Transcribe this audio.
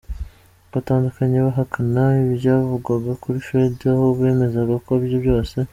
butandukanye bahakana ibyavugwaga kuri Fred, aho bemezaga ko ibyo byose.